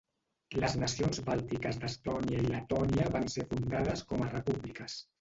Les nacions bàltiques d'Estònia i Letònia van ser fundades com a repúbliques.